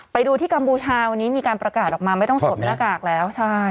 ไปดูที่กัมพูชาวันนี้มีการประกาศออกมาไม่ต้องสวมหน้ากากแล้วใช่